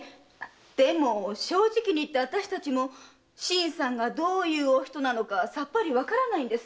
でも正直に言って私たちも新さんがどういうお人なのかさっぱりわからないんです。